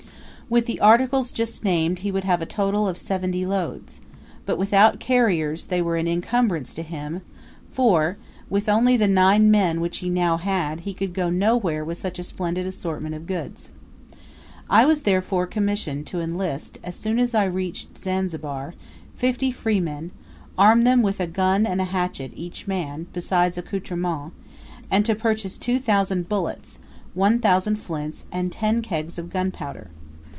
With the articles just named he would have a total of seventy loads, but without carriers they were an incumbrance to him; for, with only the nine men which he now had, he could go nowhere with such a splendid assortment of goods. I was therefore commissioned to enlist, as soon as I reached Zanzibar, fifty freemen, arm them with a gun and hatchet each man, besides accoutrements, and to purchase two thousand bullets, one thousand flints, and ten kegs of gunpowder.